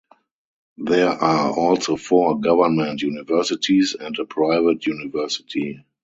There are also four government universities and a private university.